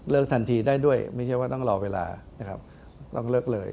ทันทีได้ด้วยไม่ใช่ว่าต้องรอเวลานะครับต้องเลิกเลย